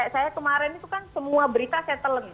saya kemarin itu kan semua berita saya telem